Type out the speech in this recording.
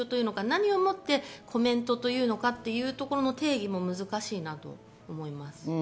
何をもってコメントというのか定義も難しいなと思います。